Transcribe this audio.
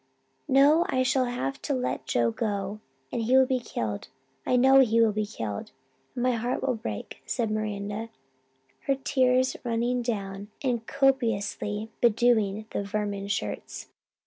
"'No, I shall just have to let Joe go, and he will be killed I know he will be killed and my heart will break,' said Miranda, her tears running down and copiously bedewing the vermin shirts!